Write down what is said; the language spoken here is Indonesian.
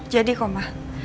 jadi kok ma